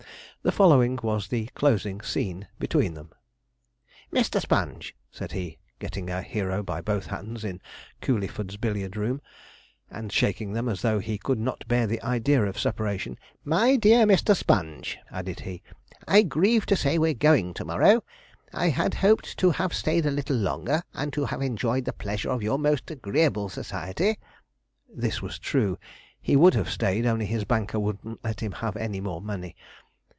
The following was the closing scene between them: [Illustration: Jawleyford of Jawleyford Court] 'Mr. Sponge,' said he, getting our hero by both hands in Culeyford's Billiard Room, and shaking them as though he could not bear the idea of separation; 'my dear Mr. Sponge,' added he, 'I grieve to say we're going to morrow; I had hoped to have stayed a little longer, and to have enjoyed the pleasure of your most agreeable society.' (This was true; he would have stayed, only his banker wouldn't let him have any more money.)